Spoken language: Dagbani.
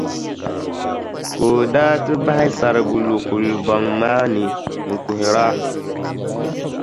Ka o daa ti bahi sarigi lu kulibɔŋ maa ni n-kuhira.